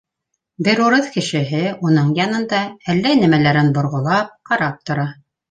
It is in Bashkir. Бер урыҫ кешеһе уның янында, әллә нәмәләрен борғолап, ҡарап тора.